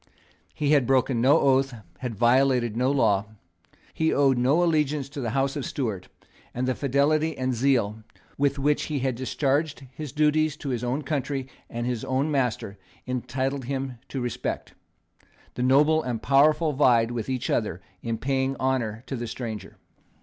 He had broken no oath, had violated no law. He owed no allegiance to the House of Stuart; and the fidelity and zeal with which he had discharged his duties to his own country and his own master entitled him to respect. The noble and powerful vied with each other in paying honour to the stranger.